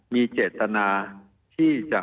มีความรู้สึกว่ามีความรู้สึกว่า